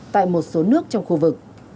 tại một số nước trong khu vực